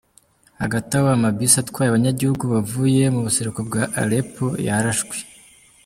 Hagataho amabisi atwaye abanyagihugu bavuye mu buseruko bwa Aleppo yarashwe.